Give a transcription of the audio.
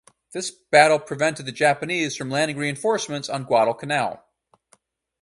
This battle prevented the Japanese from landing reinforcements on Guadalcanal.